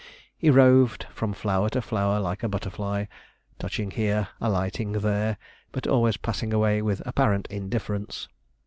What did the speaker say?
He roved from flower to flower like a butterfly, touching here, alighting there, but always passing away with apparent indifference.